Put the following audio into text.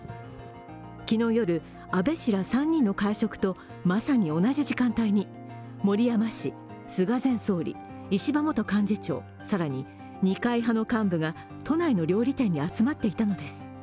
昨日夜、安倍氏ら３人の会食とまさに同じ時間帯に、森山氏、菅前総理、石破元幹事長、更に二階派の幹部が都内の料理店に集まっていたのです。